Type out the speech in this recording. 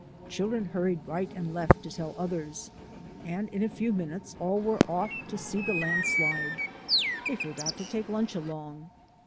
Children hurried right and left to tell others, and in a few minutes all were off to see the landslide. They forgot to take lunch along.